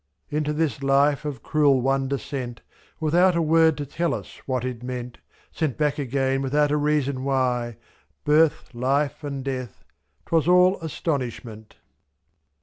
Into this life of cruel wonder sent. Without a word to tell us what it meant, /Z2. Sent back again without a reason why — Birth, life, and death — 'twas all astonishment.